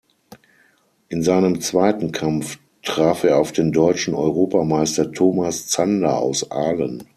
In seinem zweiten Kampf traf er auf den deutschen Europameister Thomas Zander aus Aalen.